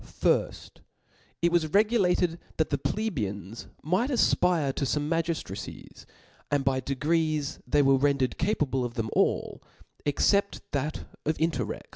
I*. It was regulated that the plebeians might afpirc to fome mag^ftracies •, and by degrees they were rendered capable of them all, except that of \ fnter 'rex.